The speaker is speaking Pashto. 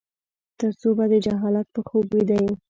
ترڅو به د جهالت په خوب ويده يې ؟